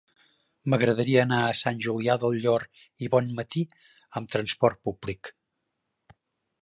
M'agradaria anar a Sant Julià del Llor i Bonmatí amb trasport públic.